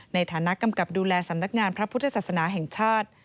ในฐานะกำกับดูแลสำนักงานพระพุทธศาสนาแห่งชาติ